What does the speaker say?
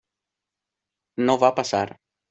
No va passar.